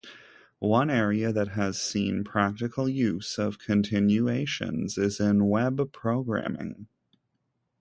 One area that has seen practical use of continuations is in Web programming.